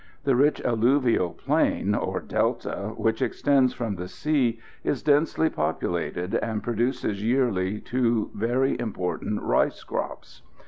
The rich alluvial plain or Delta, which extends from the sea, is densely populated, and produces yearly two very important rice crops.